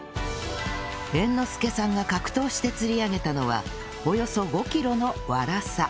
猿之助さんが格闘して釣り上げたのはおよそ５キロのワラサ